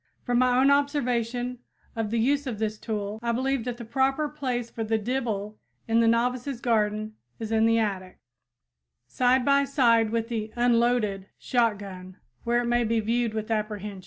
From my own observation of the use of this tool, I believe that the proper place for the dibble in the novices garden is in the attic, side by side with the "unloaded" shotgun, where it may be viewed with apprehension.